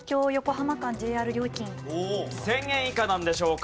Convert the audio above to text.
１０００円以下なんでしょうか？